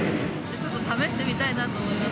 ちょっと試してみたいなと思います。